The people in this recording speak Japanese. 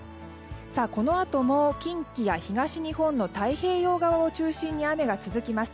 このあとも近畿や東日本の太平洋側を中心に雨が続きます。